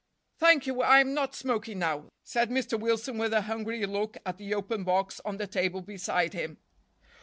"Thank you, I'm not smoking now," said Mr. Wilson with a hungry look at the open box on the table beside him.